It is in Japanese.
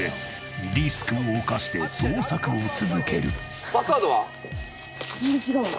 リスクを冒して捜索を続ける］パスワードは？